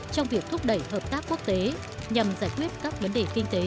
trong việc thúc đẩy hợp tác quốc tế nhằm giải quyết các vấn đề kinh tế